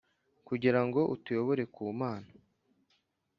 kugira ngo atuyobore ku Mana,